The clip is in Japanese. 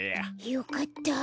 よかった。